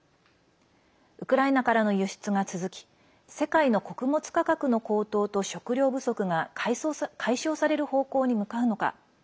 ウクライナからの輸出が続き世界の穀物価格の高騰と食料不足が解消される方向に向かうのか。